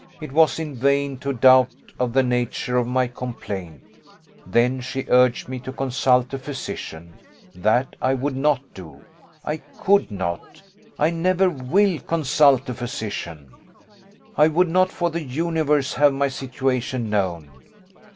it was in vain to doubt of the nature of my complaint: then she urged me to consult a physician; that I would not do I could not I never will consult a physician, I would not for the universe have my situation known.